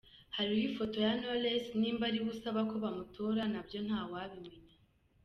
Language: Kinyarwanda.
Hariho ifoto ya Knowless, niba ariwe usaba ko bamutora nabyo ntawabimenya.